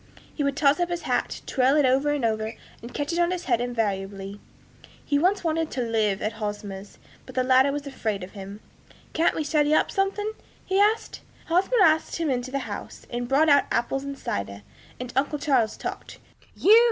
He would toss up his hat, twirling it over and over, and catch it on his head invariably. He once wanted to live at Hosmer's, but the latter was afraid of him. 'Can't we study up something?' he asked. Hosmer asked him into the house, and brought out apples and cider, and uncle Charles talked. 'You!'